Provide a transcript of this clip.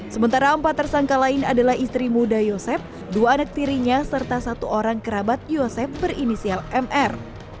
sementara empat tersangka lain adalah istri muda yosep dua anak tirinya serta satu orang kerabat yosep berinisial mr